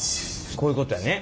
こういうことやね。